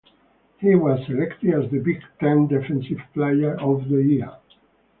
He was selected as the Big Ten Defensive Player of the Year.